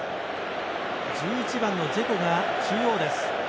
１１番のジェコが中央です。